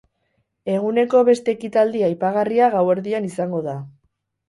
Eguneko beste ekitaldi aipagarria gauerdian izango da.